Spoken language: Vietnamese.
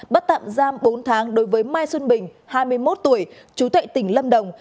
bắt tạm giam bốn tháng đối với mai xuân bình hai mươi một tuổi chú tệ tỉnh lâm đồng